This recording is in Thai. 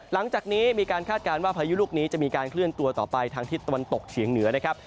หลังจากนี้มีการคาดการณ์ว่าพายุลูกนี้จะมีการเคลื่อนตัวต่อไปทางทิศตะวันตกเฉียงเหนือนะครับ